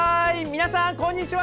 皆さん、こんにちは！